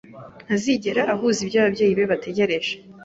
Ntazigera ahuza ibyo ababyeyi be bategereje.